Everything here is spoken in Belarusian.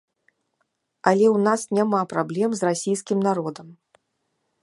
Але ў нас няма праблем з расійскім народам.